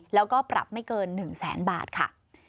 แล้วก็ปรับไม่เกิน๑แสนบาทค่ะ